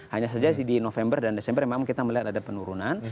hanya saja di november dan desember memang kita melihat ada penurunan